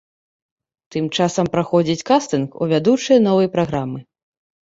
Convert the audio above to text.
Тым часам праходзіць кастынг у вядучыя новай праграмы.